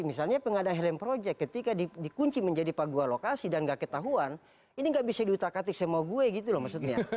misalnya pengadaan helm project ketika dikunci menjadi pagua lokasi dan nggak ketahuan ini nggak bisa diutak atik sama gue gitu loh maksudnya